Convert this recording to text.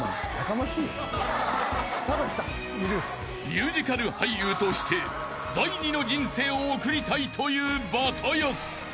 ［ミュージカル俳優として第二の人生を送りたいというバタヤス］